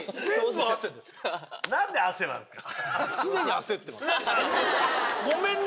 何で汗なんすか？